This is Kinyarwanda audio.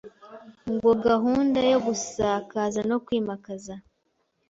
ngo gahunda yo gusakaza no kwimakaza